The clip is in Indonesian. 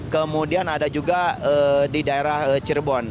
kemudian ada juga di daerah cirebon